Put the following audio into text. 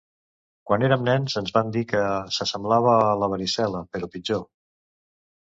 Quan érem nens, ens van dir que s'assemblava a la varicel·la, però pitjor.